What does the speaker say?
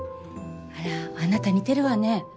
あらあなた似てるわねぇ。